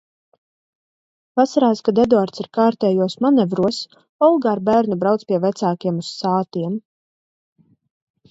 Vasarās, kad Eduards ir kārtējos manevros, Olga ar bērnu brauc pie vecākiem uz Sātiem.